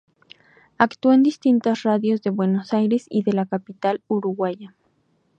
Actuó en distintas radios de Buenos Aires y de la capital uruguaya.